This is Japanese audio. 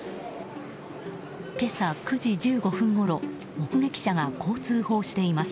今朝９時１５分ごろ目撃者がこう通報しています。